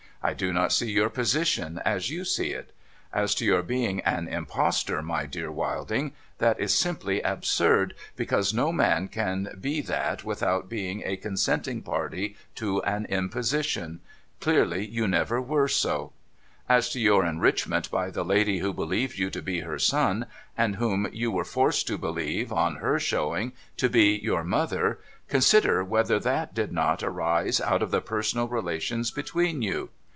I do not see your position as you see it. As to your being an Impostor, my dear Wilding, that is simply absurd, because no man can be that without being a consenting party to an imposition. Clearly you never were so. As to your enrichment by the lady who believed you to be her son, and whom you were forced to believe, on her showing, to be your mother, consider whether that did not arise out of the personal relations between you.